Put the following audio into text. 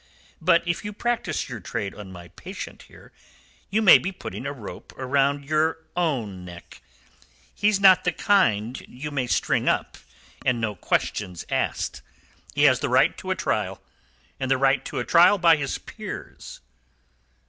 But if you practise your trade on my patient here, you may be putting a rope round your own neck. He's not the kind you may string up and no questions asked. He has the right to trial, and the right to trial by his peers."